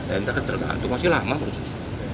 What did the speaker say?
entah kan tergantung masih lama prosesnya